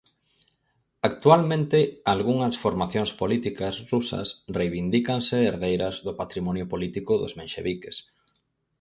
Actualmente algunhas formacións políticas rusas reivindícanse herdeiras do patrimonio político dos menxeviques.